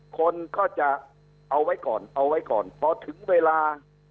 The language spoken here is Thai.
คนก็จะเอาไว้ก่อนเอาไว้ก่อนพอถึงเวลา